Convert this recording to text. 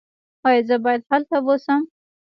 ایا زه باید هلته اوسم؟